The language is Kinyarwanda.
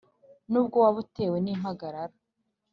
N’ ubwo waba utewe n’ impagarara,